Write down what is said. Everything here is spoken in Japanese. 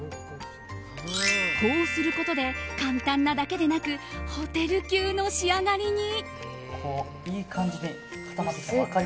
こうすることで簡単なだけでなくホテル級の仕上がりに。